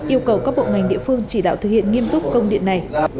yêu cầu các bộ ngành địa phương chỉ đạo thực hiện nghiêm túc công điện này